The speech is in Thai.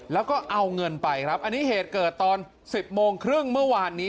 แล้วก็เอาเงินไปครับอันนี้เหตุเกิดตอน๑๐โมงครึ่งเมื่อวานนี้